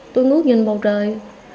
tôi ngước nhìn bầu trời